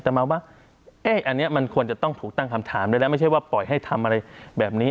แต่มาว่าอันนี้มันควรจะต้องถูกตั้งคำถามด้วยนะไม่ใช่ว่าปล่อยให้ทำอะไรแบบนี้